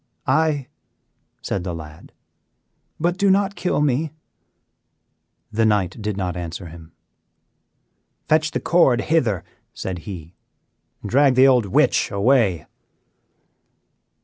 "Aye," said the lad; "but do not kill me." The knight did not answer him. "Fetch the cord hither," said he, "and drag the old witch away."